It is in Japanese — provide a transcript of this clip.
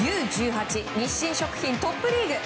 日清食品トップリーグ。